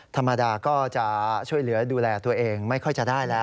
ธรรมดาก็จะช่วยเหลือดูแลตัวเองไม่ค่อยจะได้แล้ว